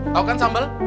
tau kan sambal